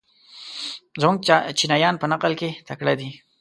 زموږ چینایان په نقل کې تکړه دي.